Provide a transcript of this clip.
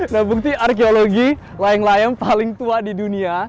nah bukti arkeologi layang layang paling tua di dunia